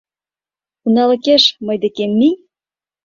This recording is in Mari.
Уналыкеш мый декем мий.